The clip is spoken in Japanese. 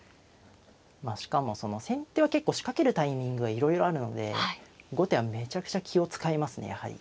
まあしかもその先手は結構仕掛けるタイミングがいろいろあるので後手はめちゃくちゃ気を遣いますねやはり。